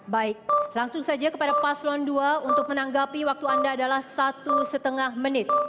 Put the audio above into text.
baik langsung saja kepada paslon dua untuk menanggapi waktu anda adalah satu setengah menit